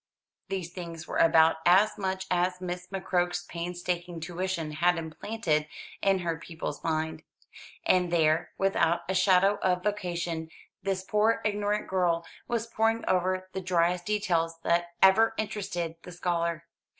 These things were about as much as Miss McCroke's painstaking tuition had implanted in her pupil's mind. And here, without a shadow of vocation, this poor ignorant girl was poring over the driest details that ever interested the scholar.